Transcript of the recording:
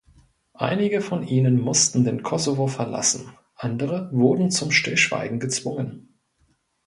Einige von ihnen mussten den Kosovo verlassen, andere wurden zum Stillschweigen gezwungen.